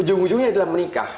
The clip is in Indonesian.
ujung ujungnya adalah menikah